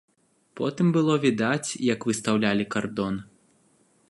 Потым было відаць, як выстаўлялі кардон.